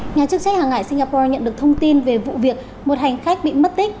nhà chức trách hàng hải singapore nhận được thông tin về vụ việc một hành khách bị mất tích